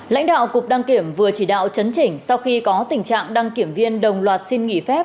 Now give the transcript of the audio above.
lãnh đạo cục đăng kiểm vừa chỉ đạo chấn chỉnh sau khi có tình trạng đăng kiểm viên đồng loạt xin nghỉ phép